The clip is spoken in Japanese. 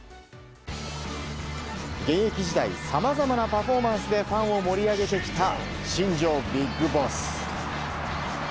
現役時代さまざまなパフォーマンスでファンを盛り上げてきた新庄ビッグボス。